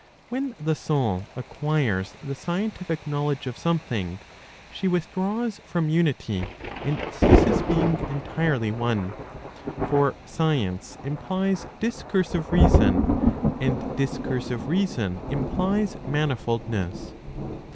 When the soul acquires the scientific knowledge of something, she withdraws from unity and ceases being entirely one; for science implies discursive reason and discursive reason implies manifoldness.